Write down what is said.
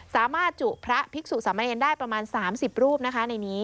สามารถจุพระภิกษุสามเณรได้ประมาณ๓๐รูปนะคะในนี้